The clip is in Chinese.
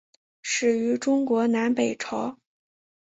始于中国南北朝。